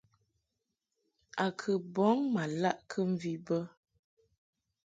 A kɨ bɔŋ ma laʼ kɨmvi bə.